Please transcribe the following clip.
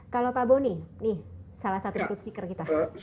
kalau pak boni nih salah satu di put sticker kita